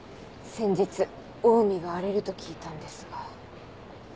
先日「オウミが荒れる」と聞いたんですが。